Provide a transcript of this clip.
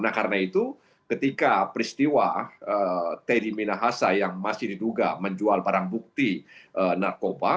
nah karena itu ketika peristiwa teddy minahasa yang masih diduga menjual barang bukti narkoba